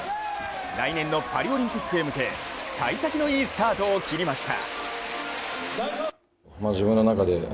来年のパリオリンピックへ向けさい先のいいスタートを切りました。